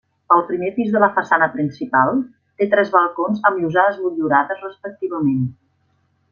El primer pis de la façana principal, té tres balcons amb llosanes motllurades respectivament.